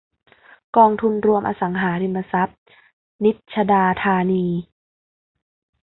กองทุนรวมอสังหาริมทรัพย์นิชดาธานี